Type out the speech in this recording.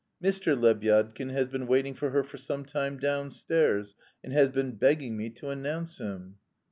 "Mr. Lebyadkin has been waiting for her for some time downstairs, and has been begging me to announce him."